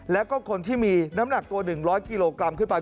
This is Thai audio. แล้วก็คนที่มีน้ำหนักตัว๑๐๐กิโลกรัมขึ้นไป